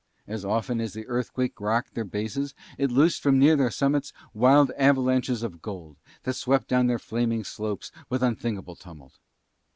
As often as the earthquake rocked their bases it loosened from near their summits wild avalanches of gold that swept down their flaming slopes with unthinkable tumult.